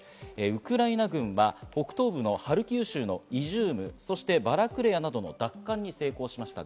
ウクライナ軍は北東部のハルキウ州のイジュームそしてバラクレヤなどの奪還に成功しました。